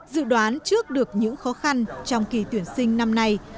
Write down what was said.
dự đoán trước được những khó khăn trong kỳ tuyển sinh năm nay